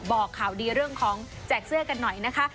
บอกข่าวดีเรื่องของแจกเสื้อกันหน่อยนะคะ